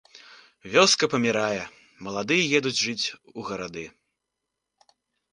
Вёска памірае, маладыя едуць жыць у гарады.